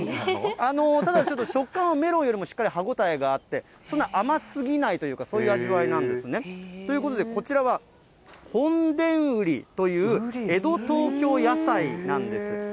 ただ、ちょっと食感はメロンよりもしっかり歯応えがあって、そんな甘すぎないというか、そういう味わいなんですね。ということで、こちらは本田ウリという、江戸東京野菜なんです。